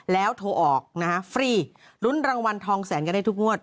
แล้วโทรออกนะฮะฟรีลุ้นรางวัลทองแสนกันได้ทุกงวด